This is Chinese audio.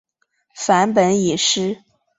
梵本已失。